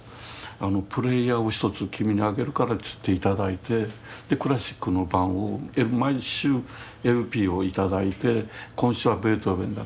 プレーヤーを一つ君にあげるからといって頂いてクラシックの盤を毎週ＬＰを頂いて今週はベートーベンだ